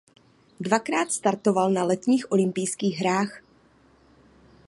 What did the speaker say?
Dvakrát startoval na letních olympijských hrách.